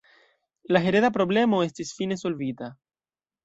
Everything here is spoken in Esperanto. La hereda problemo estis fine solvita.